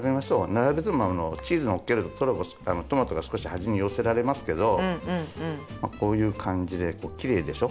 並べてもチーズのっけるとトマトが少し端に寄せられますけどこういう感じできれいでしょ？